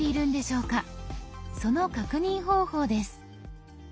その確認方法です。